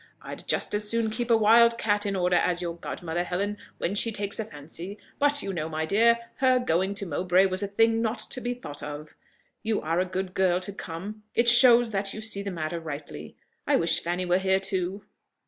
I'd just as soon keep a wild cat in order as your godmother, Helen, when she takes a fancy: but you know, my dear, her going to Mowbray was a thing not to be thought of, You are a good girl to come it shows that you see the matter rightly. I wish Fanny were here too!"